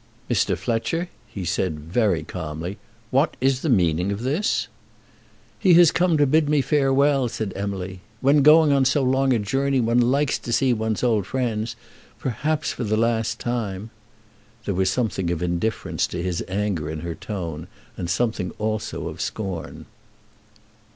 "Mr. Fletcher," he said, very calmly, "what is the meaning of this?" "He has come to bid me farewell," said Emily. "When going on so long a journey one likes to see one's old friends, perhaps for the last time." There was something of indifference to his anger in her tone, and something also of scorn.